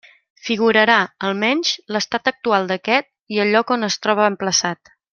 Figurarà, almenys, l'estat actual d'aquest i el lloc on es troba emplaçat.